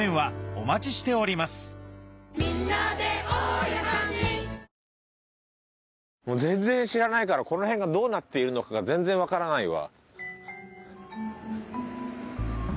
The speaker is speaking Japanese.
「いやさあもう全然知らないからこの辺がどうなっているのかが全然わからないわ。